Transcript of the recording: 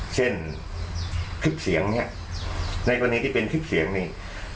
เช่นคลิปเสียงเนี่ยในกรณีที่เป็นคลิปเสียงนี่